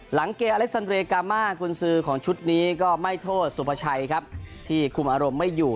หลังเกมอเล็กซันเรยกามากุญซือของชุดนี้ก็ไม่โทษสุภาชัยครับที่คุมอารมณ์ไม่อยู่